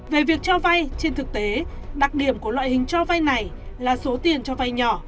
về việc cho vay trên thực tế đặc điểm của loại hình cho vay này là số tiền cho vay nhỏ